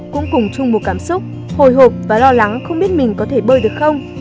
cũng cùng chung một cảm xúc hồi hộp và lo lắng không biết mình có thể bơi được không